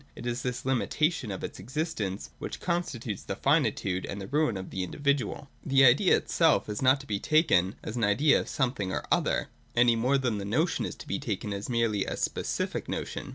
It is this limitation of its existence which constitutes the finitude and the ruin of the individual. The Idea itself is not to be taken as an idea of some thing or other, any more than the notion is to be taken as merely a specific notion.